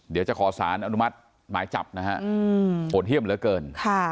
เดี๋ยวจะขอสารอนุมัติหมายจับนะฮะโหดเยี่ยมเหลือเกิน